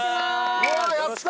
わやった！